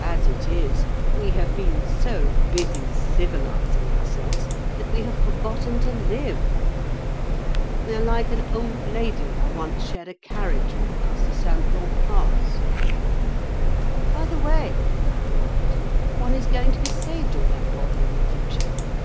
As it is, we have been so busy 'civilising' ourselves that we have forgotten to live. We are like an old lady I once shared a carriage with across the Simplon Pass." "By the way," I remarked, "one is going to be saved all that bother in the future.